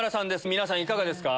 皆さんいかがですか？